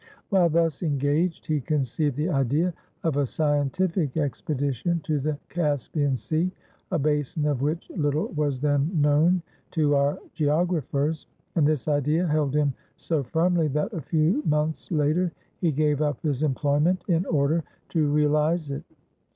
While thus engaged, he conceived the idea of a scientific expedition to the Caspian Sea a basin of which little was then known to our geographers and this idea held him so firmly that, a few months later, he gave up his employment in order to realize it.